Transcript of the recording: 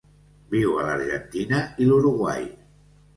Viu a l'Argentina i l'Uruguai.